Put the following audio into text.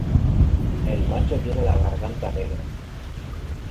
El macho tiene la garganta negra.